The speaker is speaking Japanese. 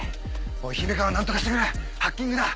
おい姫川何とかしてくれハッキングだ。